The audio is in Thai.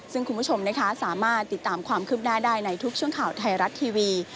ซึ่งคุณผู้ชมนะคะสามารถติดตามความคืบหน้าได้ในทุกช่วงข่าวไทยรัฐทีวี